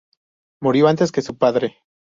Murió antes que su padre.